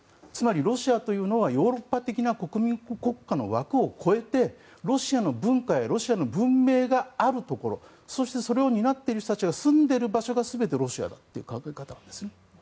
つまり、ロシアというのはヨーロッパ的な国民国家の枠を超えてロシアの文化やロシアの文明があるところそしてそれを担っている人たちが住んでいるところが全てロシアだという考え方なんですね。